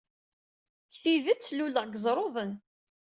Deg tidet, luleɣ deg Iẓerruden.